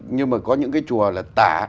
nhưng mà có những cái chùa là tả